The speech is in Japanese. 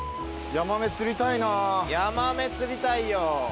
ヤマメ釣りたいよ。